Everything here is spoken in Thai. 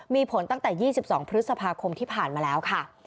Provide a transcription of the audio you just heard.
มีผลตั้งแต่๒๒พฤษภาคมที่ผ่านมาแล้วค่ะ